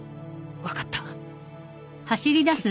分かった。